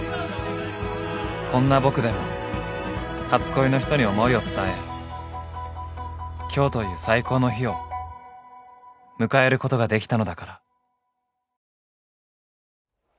［こんな僕でも初恋の人に思いを伝え今日という最高の日を迎えることができたのだから］